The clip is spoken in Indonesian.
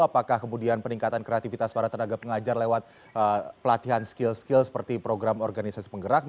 apakah kemudian peningkatan kreativitas para tenaga pengajar lewat pelatihan skill skill seperti program organisasi penggerak